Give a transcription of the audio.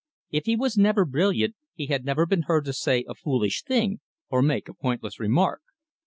If he was never brilliant, he had never been heard to say a foolish thing or make a pointless remark.